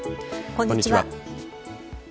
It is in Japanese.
こんにちは。